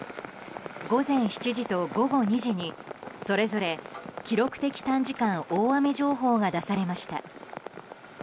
午前７時と午後２時にそれぞれ記録的短時間大雨情報が出されました。